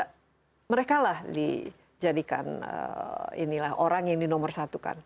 karena mereka lah dijadikan orang yang dinomorsatukan